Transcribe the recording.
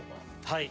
はい。